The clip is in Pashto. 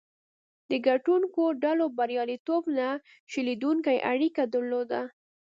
د ګټونکو ډلو بریالیتوب نه شلېدونکې اړیکه درلوده.